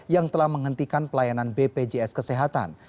yang telah menghentikan pelayanan bpjs kesehatan